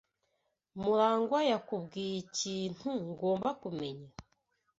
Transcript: Murangwa yakubwiye ikintu ngomba kumenya?